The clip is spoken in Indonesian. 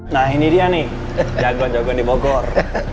nah ini dia nih jagoan jagoan di bogor